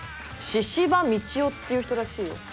「神々道夫」っていう人らしいよ。